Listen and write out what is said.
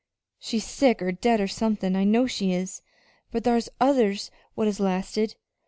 She's sick or dead, or somethin' I know she is. But thar's others what has lasted.